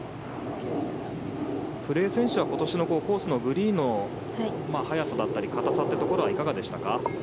古江選手は今年のコースのグリーンの速さだったり硬さっていうところはいかがでしたか？